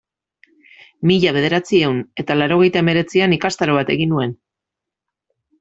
Mila bederatziehun eta laurogeita hemeretzian ikastaro bat egin nuen.